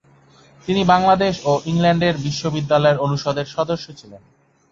তিনি বাংলাদেশ ও ইংল্যান্ডের বিশ্ববিদ্যালয়ের অনুষদের সদস্য ছিলেন।